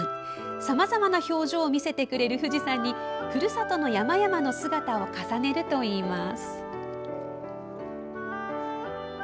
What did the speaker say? さまざまな表情を見せてくれる富士山にふるさとの山々の姿を重ねるといいます。